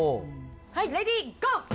レディーゴー。